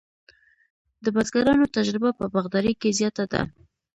د بزګرانو تجربه په باغدارۍ کې زیاته ده.